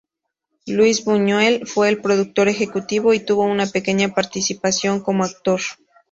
Luis Buñuel fue el productor ejecutivo y tuvo una pequeña participación como actor.